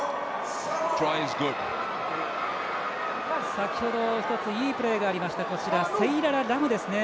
先ほど一ついいプレーがありましたセイララ・ラムですね。